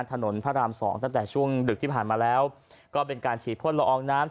ถนนพระรามสองตั้งแต่ช่วงดึกที่ผ่านมาแล้วก็เป็นการฉีดพ่นละอองน้ำ